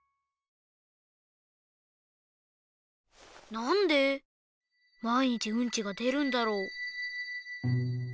なんでまいにちウンチがでるんだろう？